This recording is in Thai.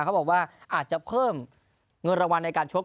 เขาบอกว่าอาจจะเพิ่มเงินรางวัลในการชก